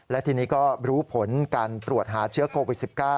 และทีนี้ก็รู้ผลการตรวจหาเชื้อโควิด๑๙